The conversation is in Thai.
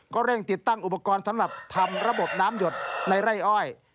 ก็เร่งติดตั้งอุปกรณ์สำหรับทำระบบน้ำหยดในไร่อ้อย